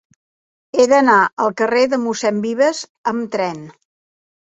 He d'anar al carrer de Mossèn Vives amb tren.